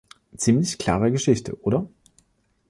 Ziemlich klare Geschichte, oder?